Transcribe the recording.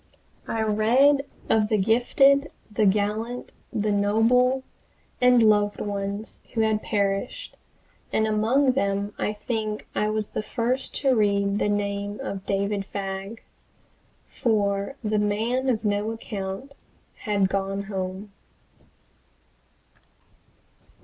I read of the gifted, the gallant, the noble, and loved ones who had perished, and among them I think I was the first to read the name of David Fagg. For the "man of no account" had "gone home!"